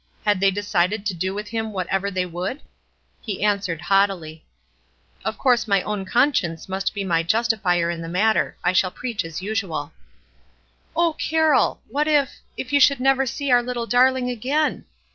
Had they decided to do with him whatever they would ? He answered haughtily, — "Of course my own conseicncc must be my jostifier in the matter. I shall preach as usual." "O Carroll! what if — if you should never see our little darling again?"